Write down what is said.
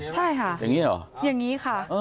ใช่ค่ะอย่างนี้ค่ะ